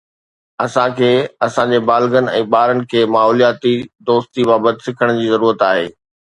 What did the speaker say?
اسان کي اسان جي بالغن ۽ ٻارن کي ماحولياتي دوستي بابت سکڻ جي ضرورت آهي